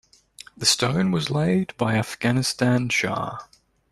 The stone was laid by Afghanistan Shah.